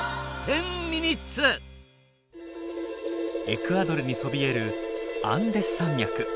エクアドルにそびえるアンデス山脈。